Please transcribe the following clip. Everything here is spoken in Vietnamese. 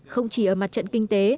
không chỉ ở mặt trận kinh tế